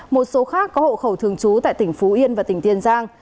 một số khác có hộ khẩu thường trú tại tỉnh phú yên và tỉnh tiền giang